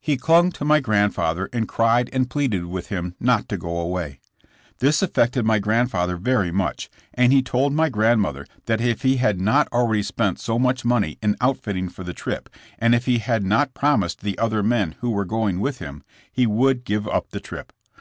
He clung to my grandfather and cried and pleaded with him not to go away. This affected my grandfather very much, and he told my grandmother that if he had not already spent so much money in outfitting for the trip, and if he had not promised the other men who were going with him, he would give up the trip.